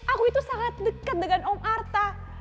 aku itu sangat dekat dengan om artha